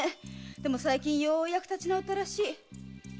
でも最近ようやく立ち直ったらしい。